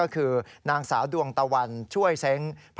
คือ